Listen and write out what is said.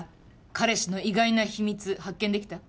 彼氏の意外な秘密発見できた？